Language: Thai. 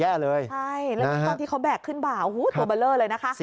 ใช่แล้วนี่ตอนที่เขาแบกขึ้นบ่าโอ้โหตัวเบอร์เลอร์เลยนะคะ